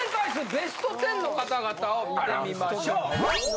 ベスト１０の方々を見てみましょう。